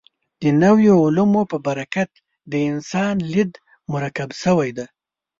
د نویو علومو په برکت د انسان لید مرکب شوی دی.